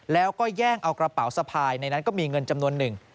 แล้วก็แย่งเอากระเป๋าสะพายในนั้นก็มีเงินจำนวนหนึ่ง